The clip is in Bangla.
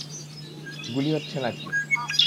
গুলি হচ্ছে নাকি?